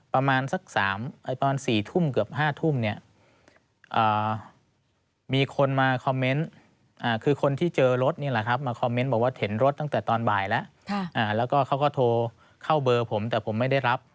ประมาณสักตอน๔ทุ่มเกือบ๕ทุ่มเนี่ยมีคนมาคอมเมนต์คือคนที่เจอรถนี่แหละครับมาคอมเมนต์บอกว่าเห็นรถตั้งแต่ตอนบ่ายแล้วแล้วก็เขาก็โทรเข้าเบอร์ผมแต่ผมไม่ได้รับ